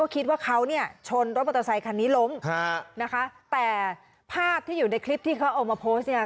คิดว่าเขาเนี่ยชนรถมอเตอร์ไซคันนี้ล้มฮะนะคะแต่ภาพที่อยู่ในคลิปที่เขาเอามาโพสต์เนี่ย